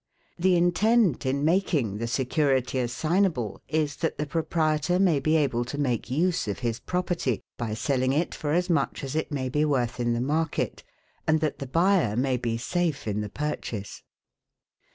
The intent in making the security assignable is, that the proprietor may be able to make use of his property, by selling it for as much as it may be worth in the market, and that the buyer may be safe in the purchase.